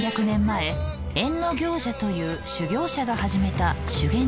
１，３００年前役行者という修行者が始めた修験道。